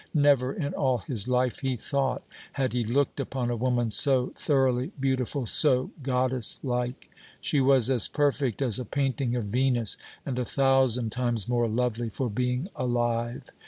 Never in all his life, he thought, had he looked upon a woman so thoroughly beautiful, so goddess like. She was as perfect as a painting of Venus, and a thousand times more lovely for being alive.